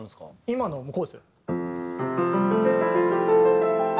今のはこうですよ。